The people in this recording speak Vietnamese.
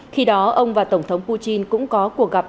khi đó ông và tổng thống putin cũng có cuộc gặp